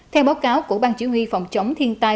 theo báo cáo của bang chỉ huy phòng chống thiên tai